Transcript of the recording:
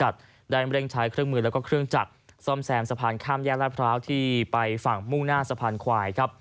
ได้เร่งใช้เครื่องมือแล้วก็เครื่องจักรซ่อมแซมสะพานข้ามแยกลาดพร้าวที่ไปฝั่งมุ่งหน้าสะพานควายครับ